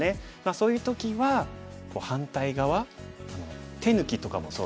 そういう時は反対側手抜きとかもそうですね。